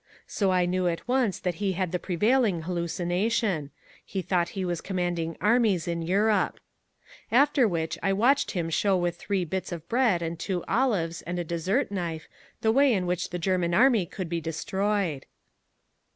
So I knew at once that he had the prevailing hallucination. He thought he was commanding armies in Europe. After which I watched him show with three bits of bread and two olives and a dessert knife the way in which the German army could be destroyed.